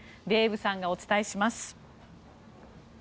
デーブさんがお伝えします。